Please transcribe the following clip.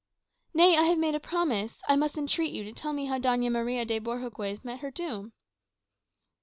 "Nay; I have made a promise. I must entreat you to tell me how Doña Maria de Bohorques met her doom."